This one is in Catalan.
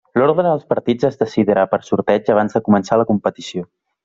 L'ordre dels partits es decidirà per sorteig abans de començar la competició.